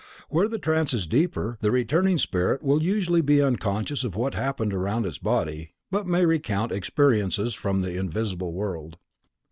Where the trance is deeper, the returning spirit will usually be unconscious of what happened around its body, but may recount experiences from the invisible world.